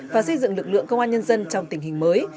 và xây dựng lực lượng công an nhân dân trong tình hình mới